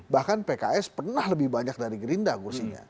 bahkan pks pernah lebih banyak dari gerindra kursinya